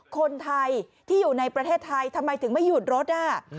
คนไทยที่อยู่ในประเทศไทยทำไมถึงไม่หยุดรถ